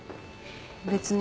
別に。